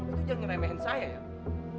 kamu tuh jangan remehen saya ya